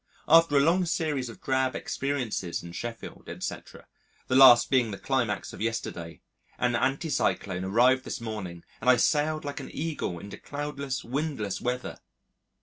After a long series of drab experiences in Sheffield, etc., the last being the climax of yesterday, an anti cyclone arrived this morning and I sailed like an Eagle into cloudless, windless weather!